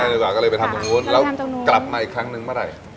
ดีกว่าก็เลยไปทำตรงนู้นแล้วกลับมาอีกครั้งนึงเมื่อไหร่